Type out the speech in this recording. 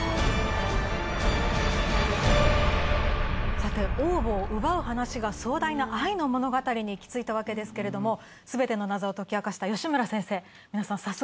さて王墓を奪う話が壮大な愛の物語に行き着いたわけですけれどもすべての謎を解き明かした。